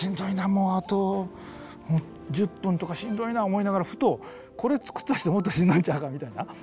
もうあと１０分とかしんどいな思いながらふとこれつくった人もっとしんどいんちゃうかみたいな。